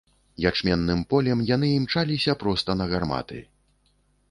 Ячменным полем яны імчаліся проста на гарматы.